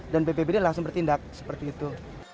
dan ppbd langsung bertindak seperti itu